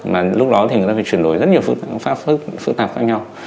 mà lúc đó thì người ta phải chuyển đổi rất nhiều phương pháp phương pháp khác nhau